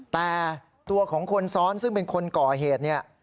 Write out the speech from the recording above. แต่ตัวของคนซ้อนซึ่งเป็นคนก่อเหตุเนี่ย